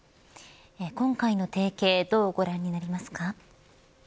今回の提携どうご覧になりますか。